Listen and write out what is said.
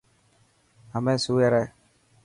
همي سوئي رهه.